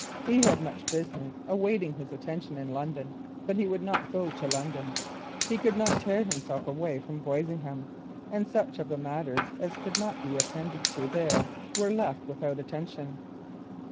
He had much business awaiting his attention in London, but he would not go to London. He could not tear himself away from Boisingham, and such of the matters as could be attended to there were left without attention.